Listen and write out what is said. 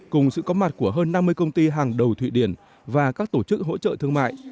cùng sự có mặt của hơn năm mươi công ty hàng đầu thụy điển và các tổ chức hỗ trợ thương mại